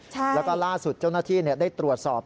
แล้วก็ล่าสุดเจ้าหน้าที่ได้ตรวจสอบ